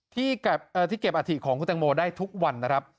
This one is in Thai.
ที่เก็บอาถิของคุณตังโมได้ทุกวันนะครับ